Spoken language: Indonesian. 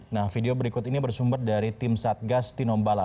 nah video berikut ini bersumber dari tim satgas tinombala